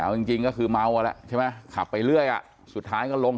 เอาจริงก็คือเมาอ่ะแหละใช่ไหมขับไปเรื่อยอ่ะสุดท้ายก็ลง